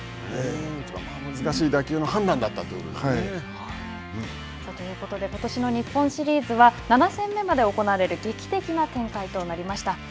難しい打球の判断だったということですよね。ということで、ことしの日本シリーズは７戦目まで行われる劇的な展開となりました。